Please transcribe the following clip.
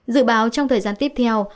dự báo trong thời gian tiếp theo